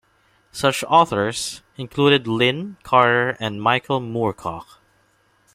Such authors included Lin Carter and Michael Moorcock.